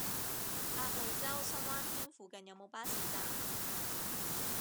鴨脷洲深灣軒附近有無巴士站？